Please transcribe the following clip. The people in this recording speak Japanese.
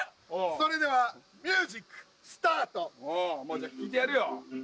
それではミュージックスタートまあじゃあ聴いてやるよ